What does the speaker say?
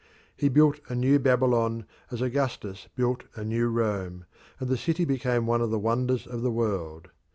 He built a new Babylon as Augustus built a new Rome, and the city became one of the wonders of the world.